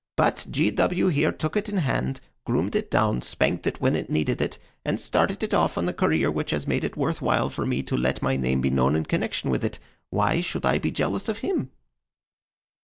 But G. W. here took it in hand, groomed it down, spanked it when it needed it, and started it off on the career which has made it worth while for me to let my name be known in connection with it. Why should I be jealous of him?"